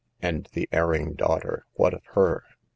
And the erring daughter, what of her?